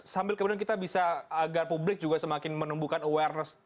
sambil kemudian kita bisa agar publik juga semakin menumbuhkan awareness